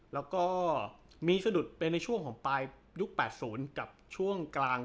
แล้วก็มีสะดุดเป็นในช่วงของปลายยุค๘๐กับช่วงกลาง